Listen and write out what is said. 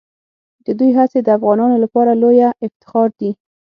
د دوی هڅې د افغانانو لپاره لویه افتخار دي.